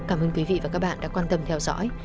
cảm ơn quý vị và các bạn đã quan tâm theo dõi